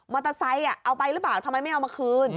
มอเตอร์ไซต์เอาไปหรือเปล่าทำไมไม่เอามาคืน